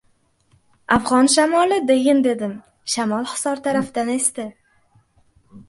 Afg‘on shamoli deyin dedim — shamol Hisor tarafdan esdi.